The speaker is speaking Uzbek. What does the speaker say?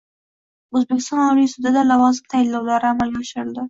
O‘zbekiston Oliy sudida lavozim tayinlovlari amalga oshirildi